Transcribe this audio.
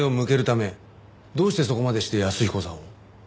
どうしてそこまでして安彦さんを？